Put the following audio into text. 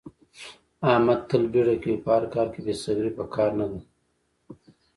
احمد تل بیړه کوي. په هر کار کې بې صبرې په کار نه ده.